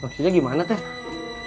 mungkinnya gimana teh